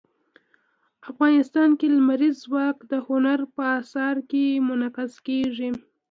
افغانستان کې لمریز ځواک د هنر په اثار کې منعکس کېږي.